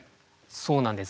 そうなんです。